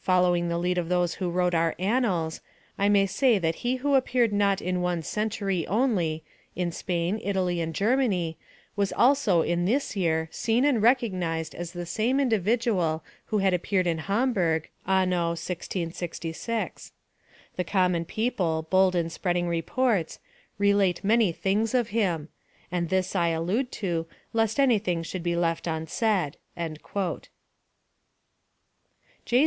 Following the lead of those who wrote our annals, I may say that he who appeared not in one century only, in Spain, Italy, and Germany, was also in this year seen and recognized as the same individual who had appeared in Hamburg, anno MDLXVI. The common people, bold in spreading reports, relate many things of him; and this I allude to, lest anything should be left unsaid." J.